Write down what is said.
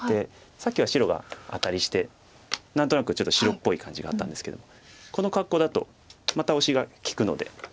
さっきは白がアタリして何となくちょっと白っぽい感じがあったんですけどこの格好だとまたオシが利くので。